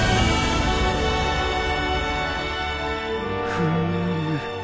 フーム。